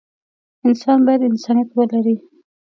انسان بايد انسانيت ولري.